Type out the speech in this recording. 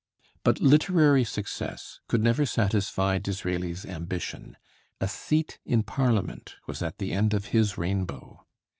But literary success could never satisfy Disraeli's ambition: a seat in Parliament was at the end of his rainbow.